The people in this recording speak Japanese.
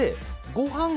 ごはん